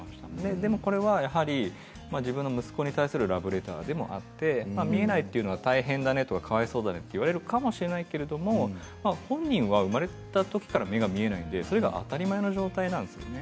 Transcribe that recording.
でもこれはやはり自分の息子に対するラブレターでもあって見えないというのは大変だねかわいそうだねと言われるかもしれないけれども本人は生まれたときから目が見えないのでそれが当たり前の状態なんですよね。